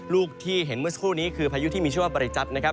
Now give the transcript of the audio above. ลูกที่เห็นเมื่อสักครู่นี้คือพายุที่มีชื่อว่าบริจัทนะครับ